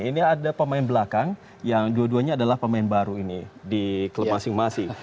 ini ada pemain belakang yang dua duanya adalah pemain baru ini di klub masing masing